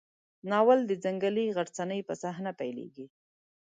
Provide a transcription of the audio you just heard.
ناول د ځنګلي غرڅنۍ په صحنه پیلېږي.